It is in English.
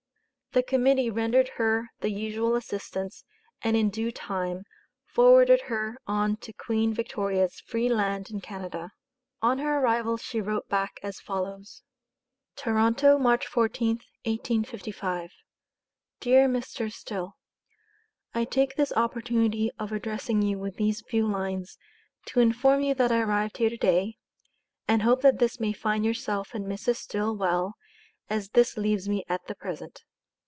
The Committee rendered her the usual assistance, and in due time, forwarded her on to Queen Victoria's free land in Canada. On her arrival she wrote back as follows TORONTO, March 14th, 1855. DEAR MR. STILL: I take this opportunity of addressing you with these few lines to inform you that I arrived here to day, and hope that this may find yourself and Mrs. Still well, as this leaves me at the present.